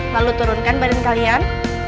lalu turunkan badan kalian